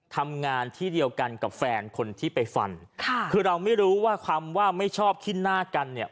ทำงานที่เดียวกันกับแฟนคนที่ไปฟันค่ะคือเราไม่รู้ว่าคำว่าไม่ชอบขี้หน้ากันเนี่ย